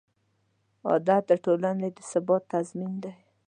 عدالت د ټولنې د ثبات تضمین دی.